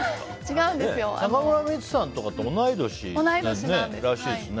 中村ミツさんとかと同い年らしいですよね。